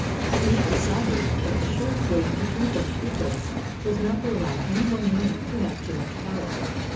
He had de cided that the surest way to prevent revolts was not to allow any one man to have too much power.